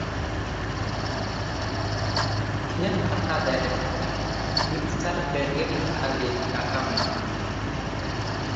ᱤᱧᱟᱜ ᱠᱷᱟᱛᱟ ᱨᱮ ᱢᱤᱫᱥᱟᱭ ᱯᱮᱜᱮᱞ ᱟᱨᱮ ᱴᱟᱠᱟ ᱢᱮᱱᱟᱜᱼᱟ᱾